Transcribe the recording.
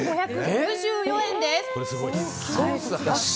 ３５６４円です。